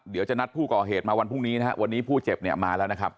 เดี๋ยวจะนัดผู้ก่อเหตุมาวันพรุ่งนี้นะครับวันนี้ผู้เจ็บเนี่ยมาแล้วนะครับ